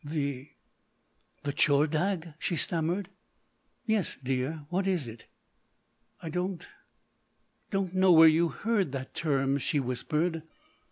"The—the Tchordagh!" she stammered. "Yes, dear. What is it?" "I don't—don't know where you heard that term," she whispered.